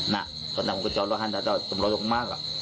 น่ะตอนนั้นผมก็จอดลูกฮันถ้าเจ้าต้องลงลงมากอ่ะ